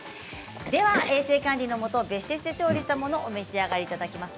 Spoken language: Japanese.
衛生管理のもと別室で調理したものをお召し上がりいただきます。